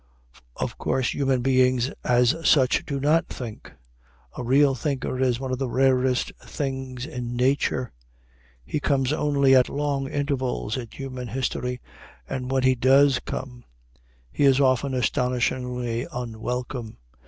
Of course human beings as such do not think. A real thinker is one of the rarest things in nature. He comes only at long intervals in human history, and when he does come, he is often astonishingly unwelcome.